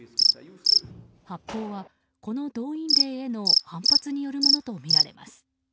発砲はこの動員令への反発によるものとみられます。